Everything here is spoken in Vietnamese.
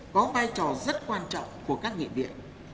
có vai trò rất quan trọng của các nghị viện